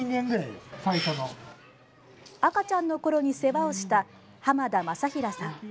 赤ちゃんのころに世話をした濱田昌平さん。